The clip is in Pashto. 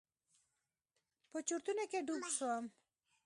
په چورتونو کښې ډوب سوم.